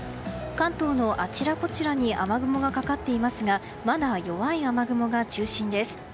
関東のあちらこちらに雨雲がかかっていますがまだ弱い雨雲が中心です。